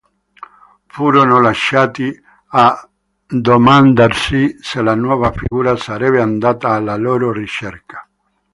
Furono lasciati a domandarsi se la nuova figura sarebbe andata alla loro ricerca.